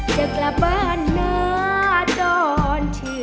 จะกลับบ้านนะตอนที่